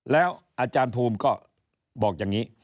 แล้วอาจารย์ภูมิก็บอกอย่างนี้